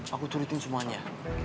aku turutin semuanya